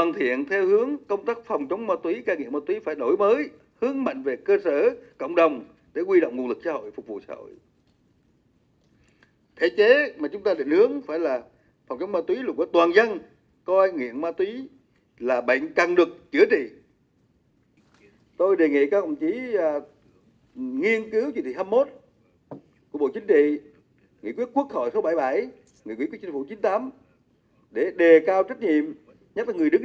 nghiên cứu chỉ thị hai mươi một của bộ chính trị nghị quyết quốc hội số bảy mươi bảy nghị quyết chính phủ chín mươi tám để đề cao trách nhiệm nhắc đến người đứng đầu trong triển khai thực hiện